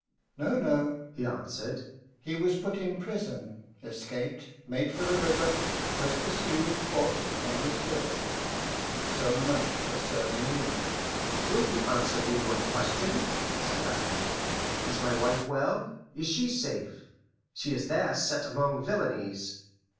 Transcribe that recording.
"No, no," he answered. "He was put in prison, escaped, made for the river, was pursued, fought, and was killed. So much for serving you." "Will you answer me one question?" said I. "Is my wife well? Is she safe? She is there set among villainies."